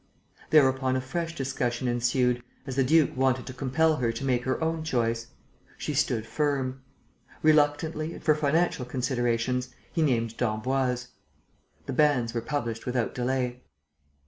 Thereupon a fresh discussion ensued, as the duke wanted to compel her to make her own choice. She stood firm. Reluctantly and for financial considerations, he named d'Emboise. The banns were published without delay.